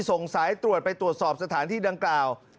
ส่งสายตรวจไปตรวจสอบสถานที่ดังกล่าว